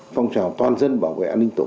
phong trào toàn dân bảo vệ an ninh trật tự